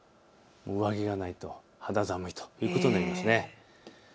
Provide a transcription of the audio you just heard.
上着がないと肌寒いということになります。